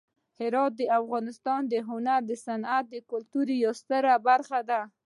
هرات د افغانستان د هنر، صنعت او کلتور یوه ستره برخه ده.